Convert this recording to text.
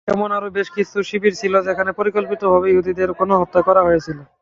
এমন আরও বেশ কিছু শিবির ছিল, যেখানে পরিকল্পিতভাবে ইহুদিদের গণহত্যা করা হয়েছিল।